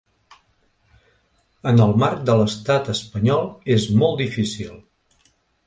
En el marc de l’estat espanyol és molt difícil.